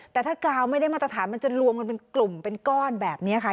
แต่ถ้ากาวไม่ได้มาตรฐานมันจะรวมกันเป็นกลุ่มเป็นก้อนแบบนี้ค่ะ